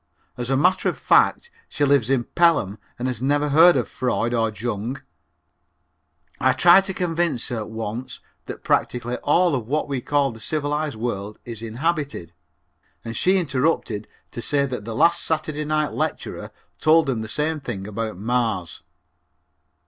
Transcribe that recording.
As a matter of fact, she lives in Pelham and has never heard of Freud or Jung. I tried to convince her once that practically all of what we call the civilized world is inhibited, and she interrupted to say that the last Saturday night lecturer told them the same thing about Mars.